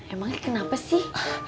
emang ini kenapa sih